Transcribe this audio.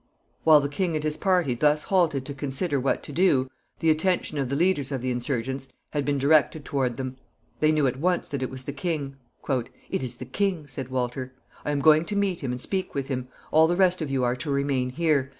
While the king and his party thus halted to consider what to do, the attention of the leaders of the insurgents had been directed toward them. They knew at once that it was the king. "It is the king," said Walter. "I am going to meet him and speak with him. All the rest of you are to remain here.